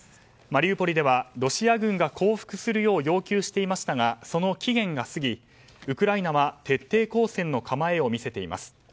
マリウポリではロシア軍が降伏するよう要求していましたがその期限が過ぎウクライナは徹底抗戦の構えを見せています。